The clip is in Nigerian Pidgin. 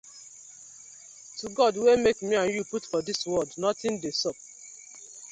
To God wey mak mi and you put for dis world, notin dey sup.